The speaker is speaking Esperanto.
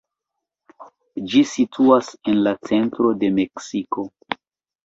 Ĝi situas en la centro de Meksiko.